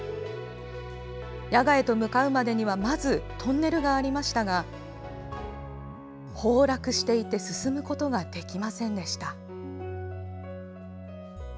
谷峨へと向かうまでにはまず、トンネルがありましたが崩落していて進むことができませんでした。